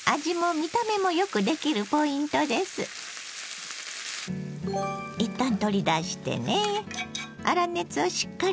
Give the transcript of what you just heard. いったん取り出してね。